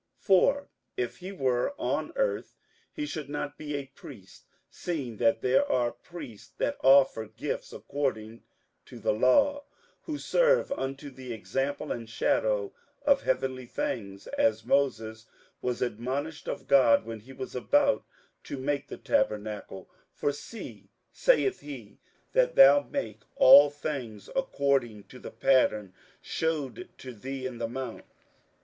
58:008:004 For if he were on earth, he should not be a priest, seeing that there are priests that offer gifts according to the law: 58:008:005 Who serve unto the example and shadow of heavenly things, as Moses was admonished of God when he was about to make the tabernacle: for, See, saith he, that thou make all things according to the pattern shewed to thee in the mount.